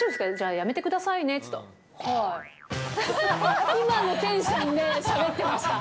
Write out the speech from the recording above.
やめてくださいねって、はいっていう、今のテンションでしゃべってました。